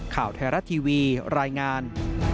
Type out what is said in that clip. ข่าวไทยรัฐทีวีรายงาน